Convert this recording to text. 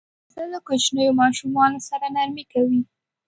پسه له کوچنیو ماشومانو سره نرمي کوي.